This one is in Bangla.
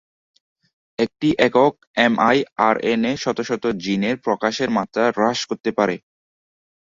একটি একক এম আই আরএনএ শত শত জিনের প্রকাশের মাত্রা হ্রাস করতে পারে।